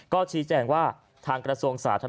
ก็ชี้แจงว่าทางกระทรวงสาธารณ